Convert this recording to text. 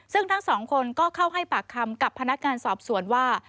ซึ่งทั้งสองคนก็เข้าให้ปากคำกับพนักงานสอบสวนว่า